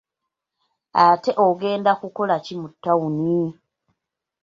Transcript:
Ate ogenda kukola ki mu ttawuni.